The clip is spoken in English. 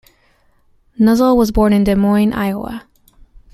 Nussle was born in Des Moines, Iowa.